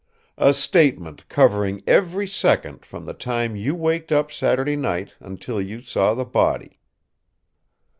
"A statement covering every second from the time you waked up Saturday night until you saw the body."